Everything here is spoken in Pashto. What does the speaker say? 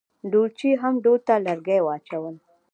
ډولچي هم ډول ته لرګي واچول.